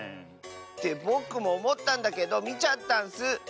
ってぼくもおもったんだけどみちゃったんス！